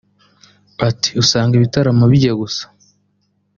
Ati “Usanga (ibitaramo) bijya gusa